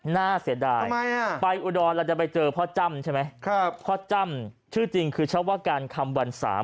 น่าเสียดายไปอุดรเราจะไปเจอพ่อจ้ำใช่ไหมครับพ่อจ้ำชื่อจริงคือชาวการคำวันสาม